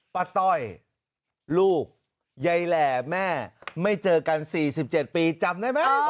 ต้อยลูกยายแหล่แม่ไม่เจอกัน๔๗ปีจำได้ไหม